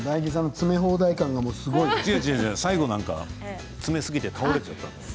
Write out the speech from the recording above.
最後詰めすぎて倒れちゃった。